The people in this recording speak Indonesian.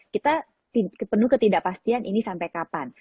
kita penuh ketidakpastian ini sampai kapan